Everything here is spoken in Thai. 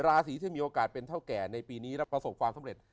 ราศีที่มีโอกาสเป็นเท่าแก่ในปีนี้และประสบความสำเร็จ